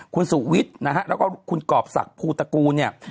คุณสุวิทย์นะฮะแล้วก็คุณกรอบศักดิ์ภูตระกูลเนี่ย